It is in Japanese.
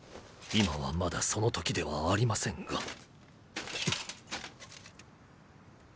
今はまだその時ではありませんが。